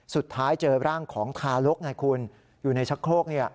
สุดท้ายเจอร่างของทารกอยู่ในชักโครก